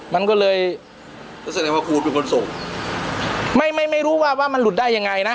มันก็เลยไม่รู้ว่าว่ามันหลุดได้ยังไงนะ